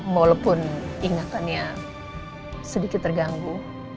walaupun ingatannya sedikit terganggu